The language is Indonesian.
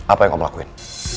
apa yang om lakuin